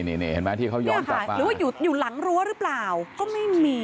นี่เห็นไหมที่เขาย้อนกลับไปหรือว่าอยู่หลังรั้วหรือเปล่าก็ไม่มี